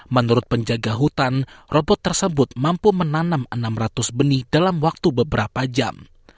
menurut penjaga hutan robot tersebut mampu menanam enam ratus benih dalam waktu beberapa jam